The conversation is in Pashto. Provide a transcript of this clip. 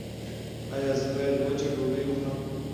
ایا زه باید وچه ډوډۍ وخورم؟